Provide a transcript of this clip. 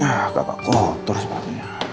hai ah kakak kotor sebagian